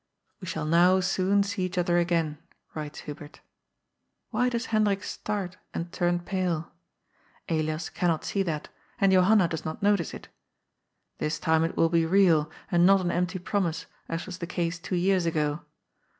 ^^ We shall now soon see each other again,'' writes Hu bert. Why does Hendrik start and turn pale ? Elias can not see that, and Johanna does not notice it. ^' This time it will be real, not an empty promise, as was the case two years ago.